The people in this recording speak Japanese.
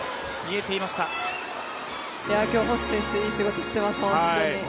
今日、星選手いい仕事しています。